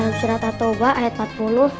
dalam surat at tawbah ayat empat puluh